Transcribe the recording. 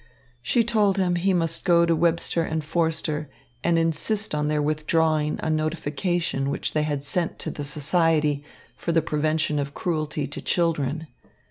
She told him he must go to Webster and Forster and insist on their withdrawing a notification which they had sent to the Society for the Prevention of Cruelty to Children.